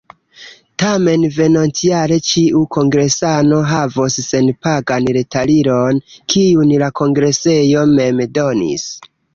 Tamen venontjare ĉiu kongresano havos senpagan retaliron, kiun la kongresejo mem donis.